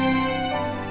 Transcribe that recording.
tuhan yang terbaik